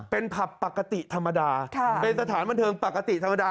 เป็นผับปกติธรรมดาเป็นสถานบันเทิงปกติธรรมดา